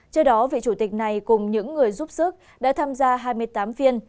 trước đó vị chủ tịch này cùng những người giúp sức đã tham gia hai mươi tám phiên